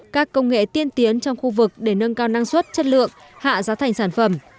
các công nghệ tiên tiến trong khu vực để nâng cao năng suất chất lượng hạ giá thành sản phẩm